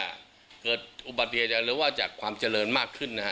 โอปฏิเหตุเลยว่าเรียกว่าเป็นจากความเจริญมากขึ้นนะฮะ